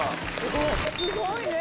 すごいねぇ。